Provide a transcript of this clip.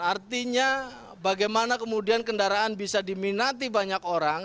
artinya bagaimana kemudian kendaraan bisa diminati banyak orang